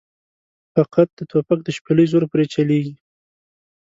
فقط د توپک د شپېلۍ زور پرې چلېږي.